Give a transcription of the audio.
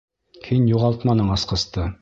Һин юғалтманың асҡысты!